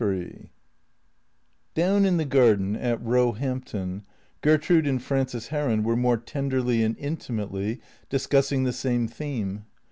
XLIII DOWN in the garden at Eoehampton, Gertrude and Frances Heron were more tenderly and intimately discussing the same theme.